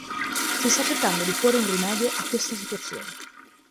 Si sta cercando di porre un rimedio a questa situazione.